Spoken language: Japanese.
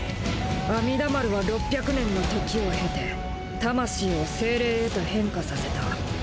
阿弥陀丸は６００年の時を経て魂を精霊へと変化させた。